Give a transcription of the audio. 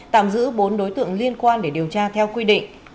tạm giữ bốn đối tượng liên quan để điều tra theo quy định